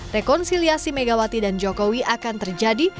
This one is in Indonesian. rekonsiliasi megawati dan jokowi akan terjadi